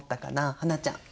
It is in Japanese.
英ちゃん。